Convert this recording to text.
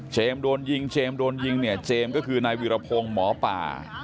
โดนยิงเจมส์โดนยิงเนี่ยเจมส์ก็คือนายวิรพงศ์หมอป่า